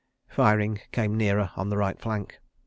... Firing came nearer on the right flank.